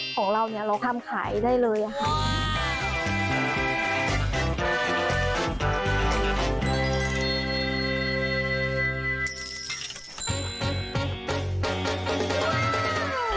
ของเราเราทำขายได้เลยค่ะ